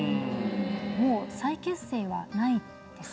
もう再結成はないですか？